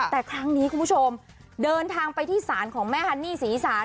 แต่ครั้งนี้คุณผู้ชมเดินทางไปที่ศาลของแม่ฮันนี่ศรีศาล